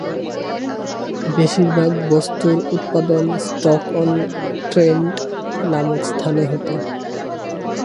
বেশিরভাগ বস্তুর উৎপাদন ষ্টোক-অন-ট্রেন্ট নামক স্থানে হত।